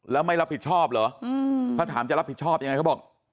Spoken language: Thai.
แล้วไม่รับผิดชอบเหรอเขาถามจะรับผิดชอบยังไงเขาบอก